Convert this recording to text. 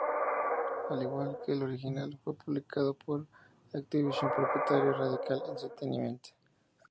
Al igual que el original, fue publicado por Activision, propietario de Radical Entertainment.